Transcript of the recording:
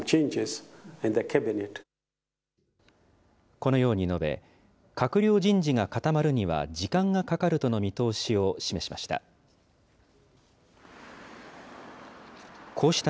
このように述べ、閣僚人事が固まるには時間がかかるとの見通しを示しました。